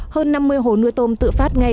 hơn năm mươi hồ nuôi tôm tự phát ngay